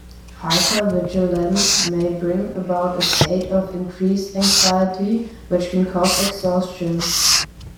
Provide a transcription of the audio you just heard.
Hypervigilance may bring about a state of increased anxiety which can cause exhaustion.